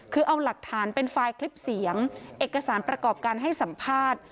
คือเอาหลักฐานเป็นไฟล์คลิปเสียงเอกสารประกอบการให้สัมภาษณ์